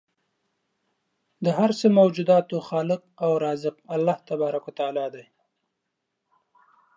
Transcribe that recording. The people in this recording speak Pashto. د هر څه موجوداتو خالق او رازق الله تبارک و تعالی دی